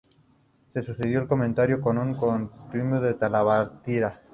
Se dedicó al comercio con una curtiembre y talabartería.